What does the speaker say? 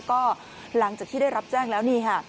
ก็หลังจากที่ได้รับแจ้งแล้วนี่ค่ะ